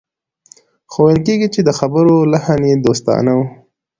خو ويل کېږي چې د خبرو لحن يې دوستانه و.